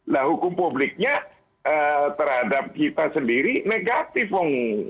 nah hukum publiknya terhadap kita sendiri negatif om